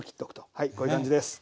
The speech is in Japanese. はいこういう感じです。